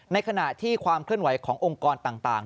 ในขณะที่ความเคลื่อนไหวขององค์กรต่าง